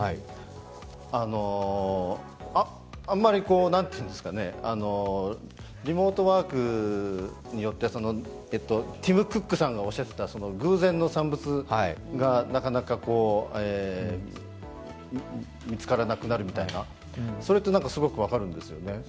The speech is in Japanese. こうやって今、リモートワークやっていますけれども、あんまりリモートワークによってティム・クックさんがおっしゃっていた偶然の産物がなかなか見つからなくなるみたいな、それってすごく分かるんですよね。